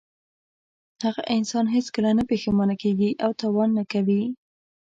هغه انسان هېڅکله نه پښېمانه کیږي او تاوان نه کوي.